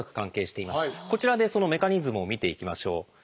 こちらでそのメカニズムを見ていきましょう。